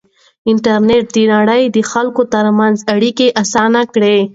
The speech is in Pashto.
انټرنېټ د نړۍ د خلکو ترمنځ اړیکه اسانه کړې.